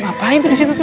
ngapain tuh disitu